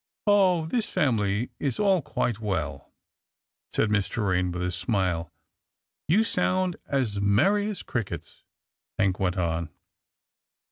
" Oh ! this family is all quite well," said Miss Torraine with a smile. " You sound as merry as crickets," Hank went on.